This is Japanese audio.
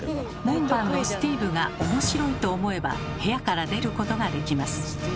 門番のスティーブが「おもしろい」と思えば部屋から出ることができます。